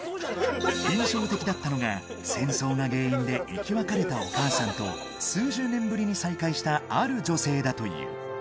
印象的だったのが、戦争が原因で生き別れたお母さんと、数十年ぶりに再会したある女性だという。